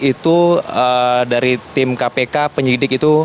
itu dari tim kpk penyidik itu